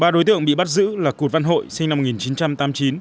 ba đối tượng bị bắt giữ là cụt văn hội sinh năm một nghìn chín trăm tám mươi chín